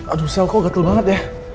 aduh sel kok gatel banget ya